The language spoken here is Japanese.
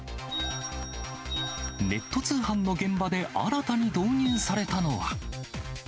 ネット通販の現場で新たに導入されたのは。